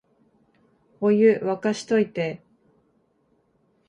お湯、沸かしといて